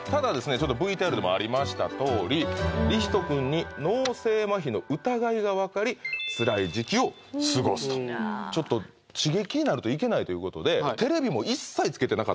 ちょっとＶＴＲでもありましたとおり「りひと君に脳性まひの疑いが分かり辛い時期を過ごす」とちょっと刺激になるといけないということでそうなんだ